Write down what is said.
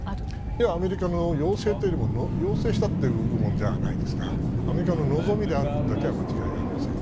いやアメリカの要請というよりも要請して動くものではないですがアメリカの望みであることは間違いありません。